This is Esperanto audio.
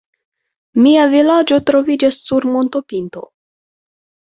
Mia vilaĝo troviĝas sur montopinto.